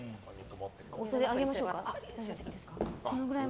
お袖、上げましょうか。